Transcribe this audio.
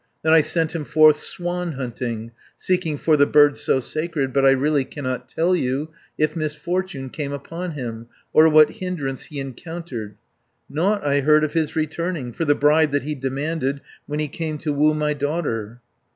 Then I sent him forth swan hunting, Seeking for the bird so sacred, But I really cannot tell you If misfortune came upon him, 110 Or what hindrance he encountered. Nought I heard of his returning, For the bride that he demanded, When he came to woo my daughter."